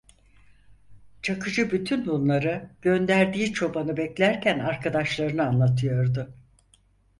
Çakıcı bütün bunları, gönderdiği çobanı beklerken arkadaşlarına anlatıyordu.